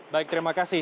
baik terima kasih